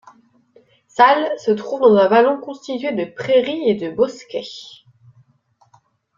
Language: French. Salle se trouve dans un vallon constitué de prairies et de bosquets.